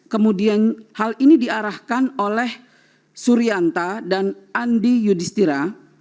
kemudian hal ini diarahkan oleh suryanta dan andi yudhistira